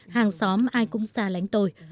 hàng xóm ai cũng xa lánh tôi